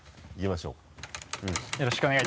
いきましょうか。